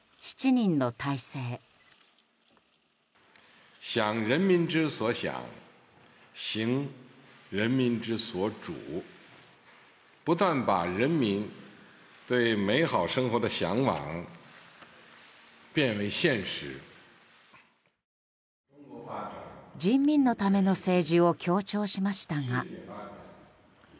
人民のための政治を強調しましたが。